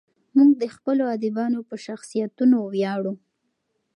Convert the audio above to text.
موږ د خپلو ادیبانو په شخصیتونو ویاړو.